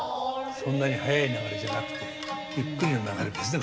そんなに速い流れじゃなくてゆっくりの流れですね。